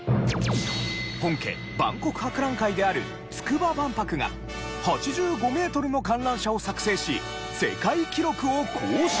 本家万国博覧会であるつくば万博が８５メートルの観覧車を作成し世界記録を更新。